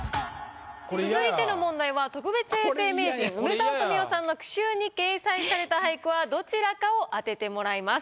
続いての問題は特別永世名人梅沢富美男さんのどちらかを当ててもらいます。